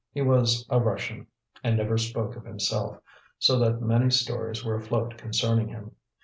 He was a Russian, and never spoke of himself, so that many stories were afloat concerning him.